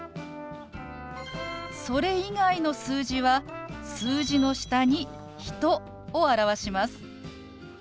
それ以外の数字は数字の下に「人」を表します。